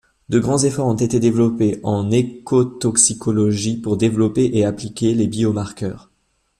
De grands efforts ont été déployés en écotoxicologie pour développer et appliquer les biomarqueurs.